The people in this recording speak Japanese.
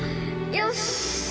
よし！